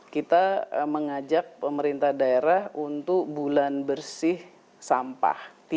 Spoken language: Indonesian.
kita mengajak pemerintah daerah untuk bulan bersih sampah